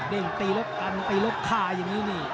เด้งตีลบกันไปลบฆ่าอย่างนี้